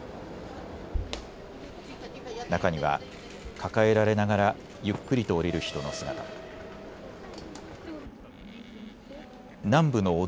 中には抱えられながらゆっくりと降りる人の姿も。